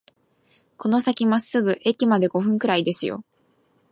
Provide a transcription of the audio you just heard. この先まっすぐ、駅まで五分くらいですよ